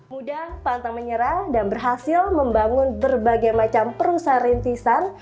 muda pantang menyerah dan berhasil membangun berbagai macam perusahaan rintisan